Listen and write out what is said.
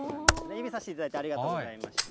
指さしていただいてありがとうございました。